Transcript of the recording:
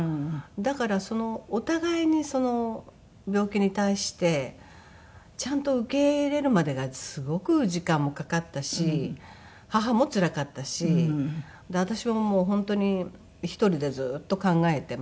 だからお互いに病気に対してちゃんと受け入れるまでがすごく時間もかかったし母もつらかったし私ももう本当に１人でずっと考えていましたから。